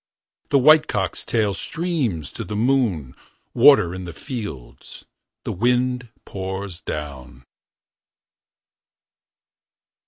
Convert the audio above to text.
The white cock's tail Streams to the moon. Water in the fields. The wind pours down.